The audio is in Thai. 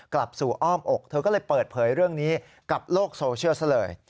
กลับสู่อ้อมอกเธอก็เลยเปิดเผยเรื่องนี้กับโลกโซเชียลซะเลย